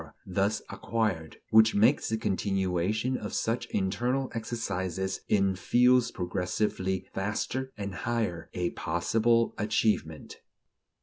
thus acquired, which makes the continuation of such internal exercises in fields progressively vaster and higher, a possible achievement.